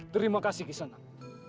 terima kasih kisanak